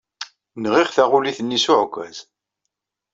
Nɣiɣ taɣulit-nni s uɛekkaz.